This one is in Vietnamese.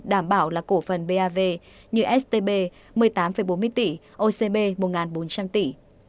đảm bảo là cổ phần bav như stb một mươi tám bốn mươi tỷ ocb một bốn trăm linh tỷ